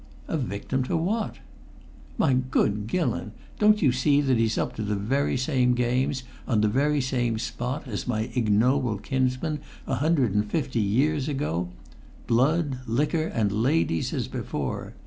"A victim to what?" "My good Gillon, don't you see that he's up to the very same games on the very same spot as my ignoble kinsman a hundred and fifty years ago? Blood, liquor, and ladies as before!